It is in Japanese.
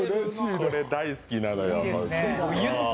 これ、大好きなのよ。